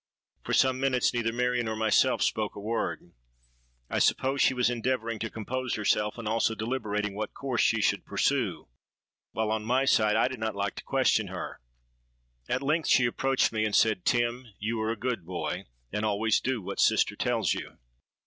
For some minutes neither Marion or myself spoke a word. I suppose she was endeavouring to compose herself, and also deliberating what course she should pursue; while, on my side, I did not like to question her. At length she approached me, and said, 'Tim, you are a good boy, and always do what sister tells you.